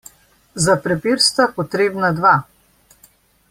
Za prepir sta potrebna dva.